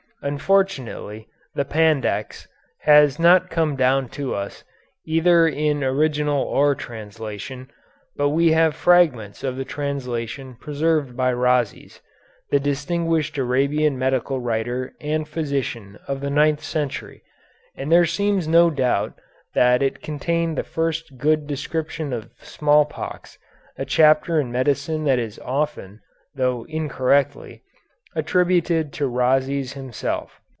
Unfortunately the "Pandects" has not come down to us, either in original or translation, but we have fragments of the translation preserved by Rhazes, the distinguished Arabian medical writer and physician of the ninth century, and there seems no doubt that it contained the first good description of smallpox, a chapter in medicine that is often though incorrectly attributed to Rhazes himself.